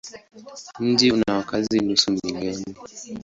Mji una wakazi nusu milioni.